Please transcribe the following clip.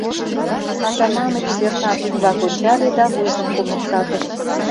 Атаманыч сержант ӱмбак ончале да вуйжым кумык сакыш:.